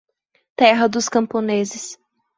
terra dos camponeses